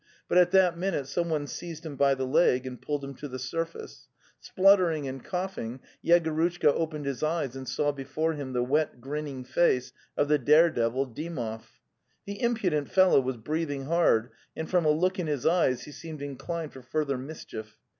But at that minute someone seized him by the leg and pulled him to the surface. Spluttering and cough ing, Yegorushka opened his eyes and saw before him the wet grinning face of the dare devil Dymov. The impudent fellow was breathing hard, and from a look in his eyes he seemed inclined for further mis chief.